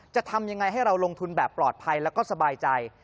จะทำยังไงให้เราลงทุนแบบปลอดภัยแล้วก็สบายใจ